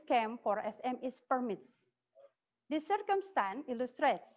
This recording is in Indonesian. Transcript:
karena kita harus menutup gap